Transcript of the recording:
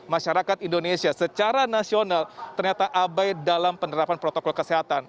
masyarakat indonesia secara nasional ternyata abai dalam penerapan protokol kesehatan